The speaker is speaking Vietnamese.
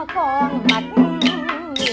con mạch lạnh